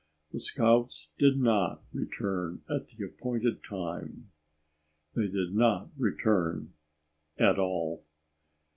The scouts did not return at the appointed time. They did not return at all.